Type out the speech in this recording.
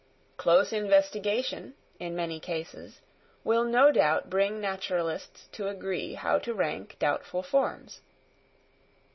Close investigation, in many cases, will no doubt bring naturalists to agree how to rank doubtful forms.